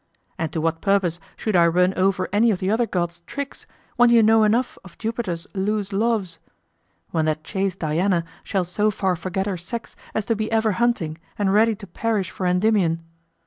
And to what purpose should I run over any of the other gods' tricks when you know enough of Jupiter's loose loves? When that chaste Diana shall so far forget her sex as to be ever hunting and ready to perish for Endymion?